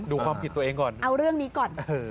ดูความผิดตัวเองก่อนเอาเรื่องนี้ก่อน